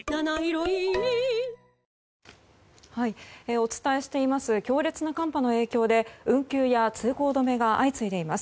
お伝えしています強烈な寒波の影響で運休や通行止めが相次いでいます。